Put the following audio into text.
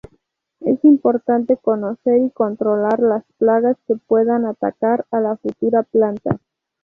Es importante, conocer y controlar las plagas que puedan atacar a la futura planta.